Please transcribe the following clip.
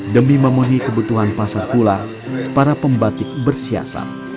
demi memenuhi kebutuhan pasar pula para pembatik bersiasat